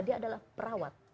dia adalah perawat